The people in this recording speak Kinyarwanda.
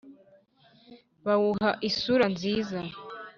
bawuha isura nziza.